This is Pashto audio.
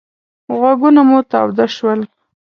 غوږونه مو تاوده شول.